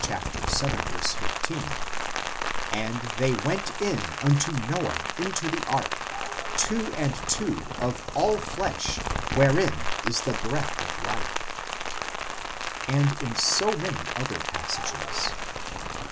15 :" And they went in unto Noah into the ark, two and two of all flesh wherein is the breath of life "; and so in many other passages.